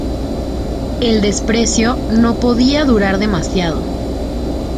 El desprecio no podía durar demasiado.